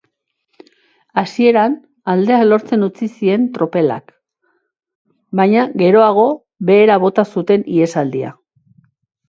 Hasieran aldeak lortzen utzi zien tropelak, baina geroago behera bota zuten ihesaldia.